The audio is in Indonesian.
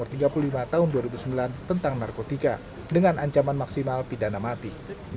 tahun dua ribu sembilan tentang narkotika dengan ancaman maksimal pidana mati